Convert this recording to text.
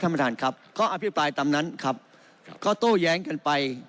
ท่านประธานครับก็อภิปรายตามนั้นครับก็โต้แย้งกันไป